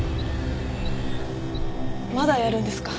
まだやるんですか？